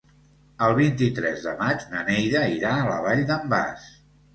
El vint-i-tres de maig na Neida irà a la Vall d'en Bas.